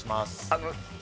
あの。